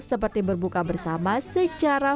seperti berbuka bersama secara